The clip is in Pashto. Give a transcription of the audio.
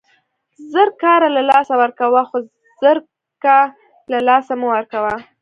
زر کاره له لاسه ورکوه، خو زرکه له له لاسه مه ورکوه!